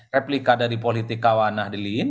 replika dari politik kawanah diliin